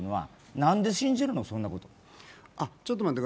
何で信じるの、そんなこと。